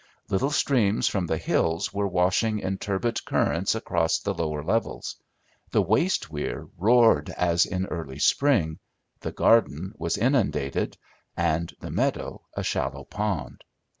Little streams from the hills were washing in turbid currents across the lower levels; the waste weir roared as in early spring, the garden was inundated, and the meadow a shallow pond.